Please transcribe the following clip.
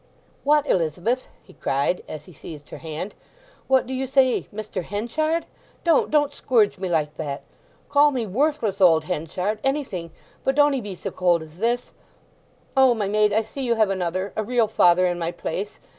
"What, Elizabeth?" he cried, as he seized her hand. "What do you say?—Mr. Henchard? Don't, don't scourge me like that! Call me worthless old Henchard—anything—but don't 'ee be so cold as this! O my maid—I see you have another—a real father in my place.